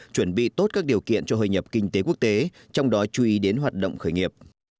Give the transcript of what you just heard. chuẩn bị tốt các điều kiện cho hội nhập kinh tế quốc tế trong đó chú ý đến hoạt động khởi nghiệp